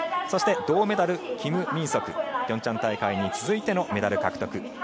そして銅メダル、キム・ミンソク平昌大会に続いてのメダル獲得。